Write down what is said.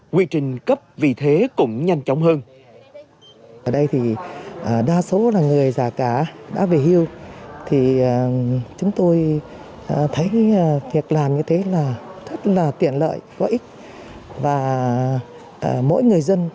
quy trình cấp vì thế cũng nhanh chóng hơn